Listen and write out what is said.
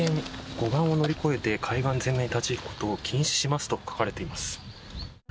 護岸を乗り越えて海岸前面に立ち入ることを禁止しますと書かれています。